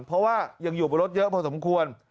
เพราะว่ายังอยู่บนรถเยอะพอสมควร